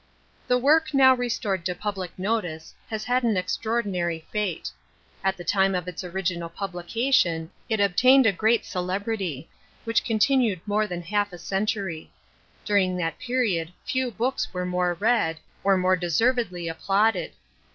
The work now restored to public notice has had an extraordinary fate. At the time of its original publication it obtained a great celebrity, which continued more than half a century. During that period few books were more read, or more deservedly applauded.